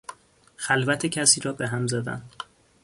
خلوت کسی را به هم زدن